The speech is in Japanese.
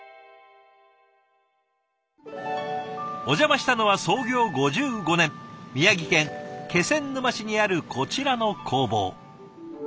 お邪魔したのは創業５５年宮城県気仙沼市にあるこちらの工房。